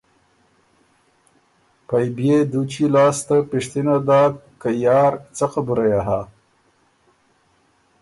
پئ بيې دُوچی لاسته پِشتِنه داک که یار څۀ خبُره يې هۀ۔